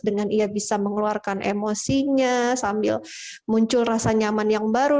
dengan ia bisa mengeluarkan emosinya sambil muncul rasa nyaman yang baru